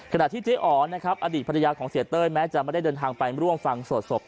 ที่เจ๊อ๋อนะครับอดีตภรรยาของเสียเต้ยแม้จะไม่ได้เดินทางไปร่วมฟังสวดศพ